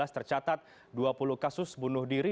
tercatat dua puluh kasus bunuh diri